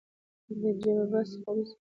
دجړبحث څخه ورورسته شفيق